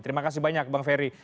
terima kasih banyak bang ferry